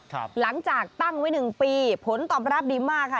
หลังจากตั้งไว้หนึ่งปีผลตอบรับดีมากค่ะ